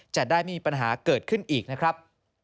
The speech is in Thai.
จะได้ไม่มีปัญหาเกิดขึ้นอีกนะครับ